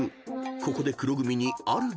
［ここで］